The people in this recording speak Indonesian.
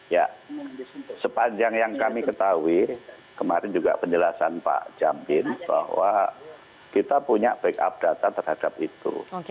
ya sepanjang yang kami ketahui kemarin juga penjelasan pak jamin bahwa kita punya backup data terhadap itu